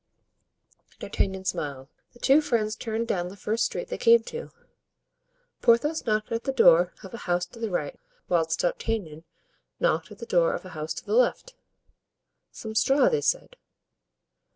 D'Artagnan smiled. The two friends turned down the first street they came to. Porthos knocked at the door of a house to the right, whilst D'Artagnan knocked at the door of a house to the left. "Some straw," they said.